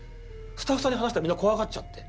スタッフさんに話したらみんな怖がっちゃって。